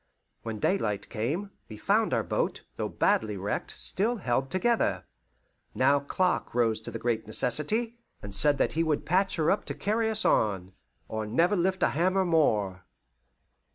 When daylight came, we found our boat, though badly wrecked, still held together. Now Clark rose to the great necessity, and said that he would patch her up to carry us on, or never lift a hammer more.